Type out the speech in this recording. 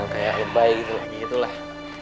kayak lebay gitu lagi itulah